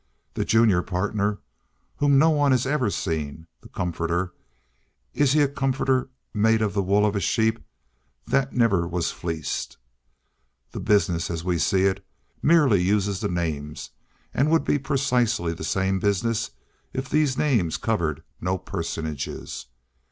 The junior partner, whom no one has ever seen, the Comforter, is he a comforter made of the wool of a sheep that never was fleeced? The business, as we see it, merely uses the names, and would be precisely the same business if these names covered no personages.